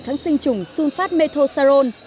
kháng sinh trùng sunfat methoxaron